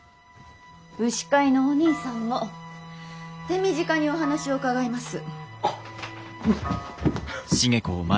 牛飼いのお兄さんも手短にお話を伺います。